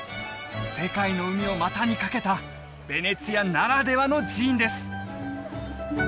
世界の海を股に掛けたヴェネツィアならではの寺院です